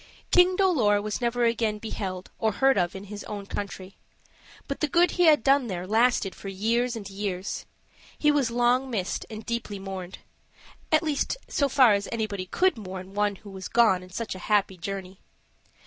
King Dolor was never again beheld or heard of in his own country. But the good he had done there lasted for years and years; he was long missed and deeply mourned at least, so far as anybody could mourn one who was gone on such a happy journey.